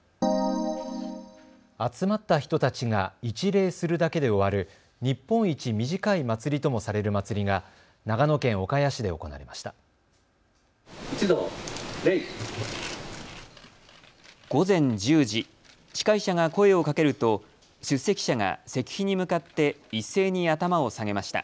集まった人たちが一礼するだけで終わる日本一短い祭りともされる祭りが長野県岡谷市で行われました。